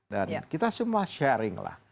dan kita semua sharing lah